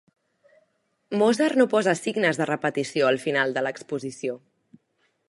Mozart no posa signes de repetició al final de l'exposició.